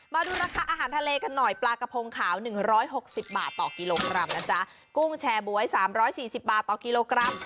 มาดูราคาอาหารทะเลกันหน่อยปลากระพงขาวหนึ่งร้อยหกสิบบาทต่อกิโลกรัมนะจ๊ะกุ้งแชร์บ๊วยสามร้อยสี่สิบบาทต่อกิโลกรัม